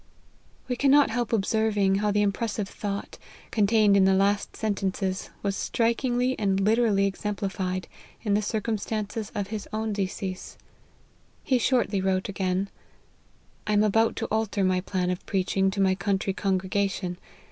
We cannot help observing, how the impressive thought, contained in the last sentences, was strik ingly and literally exemplified, in the circumstances of his own decease. He shortly wrote again :" I am about to alter my plan of preaching to my country congregation.